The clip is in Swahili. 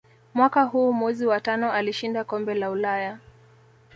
Mwaka huu mwezi wa tano alishinda kombe la ulaya